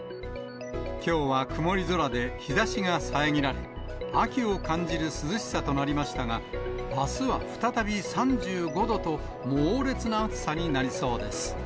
きょうは曇り空で日ざしが遮られ、秋を感じる涼しさとなりましたが、あすは再び３５度と、猛烈な暑さになりそうです。